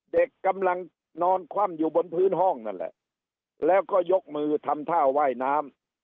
เด็กกำลังนอนคว่ำอยู่บนพื้นห้องนั่นแหละแล้วก็ยกมือทำท่าว่ายน้ำ